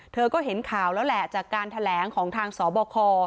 เธอก็เห็นข่าวแล้วแหละจากการแถลงของทางสบค